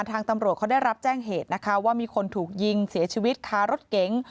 ทางตำรวจเขาได้รับแจ้งเหตุนะคะว่ามีคนถูกยิงเสียชีวิตคารถเก๋ง